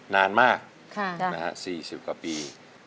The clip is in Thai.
นานมาก๔๐กว่าปี